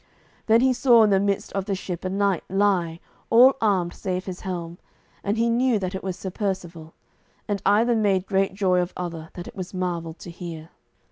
Then he saw in the midst of the ship a knight lie, all armed save his helm, and he knew that it was Sir Percivale. And either made great joy of other, that it was marvel to hear.